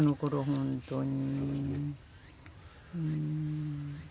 本当に。